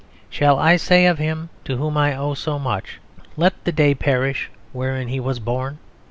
Shall I say of him, to whom I owe so much, let the day perish wherein he was born?